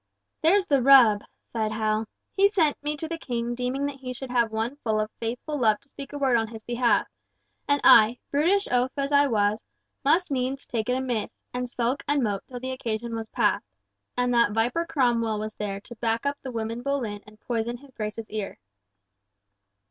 "There's the rub!" sighed Hal. "He sent me to the King deeming that he should have one full of faithful love to speak a word on his behalf, and I, brutish oaf as I was, must needs take it amiss, and sulk and mope till the occasion was past, and that viper Cromwell was there to back up the woman Boleyn and poison his Grace's ear."